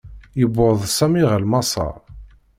Yewweḍ Sami ɣer Maṣeṛ.